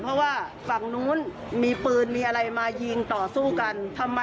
เพราะว่าฝั่งนู้นมีปืนมีอะไรมายิงต่อสู้กันทำไม